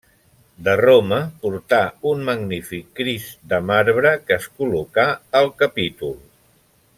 De Roma portà un magnífic Crist de marbre que es col·locà al capítol.